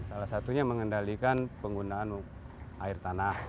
tentunya mengendalikan penggunaan air tanah